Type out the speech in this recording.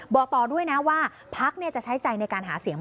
บอกต่อด้วยนะว่าพักจะใช้ใจในการหาเสียง